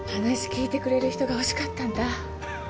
話聞いてくれる人がほしかったんだ